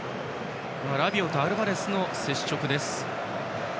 ラビオとアルバレスの接触です。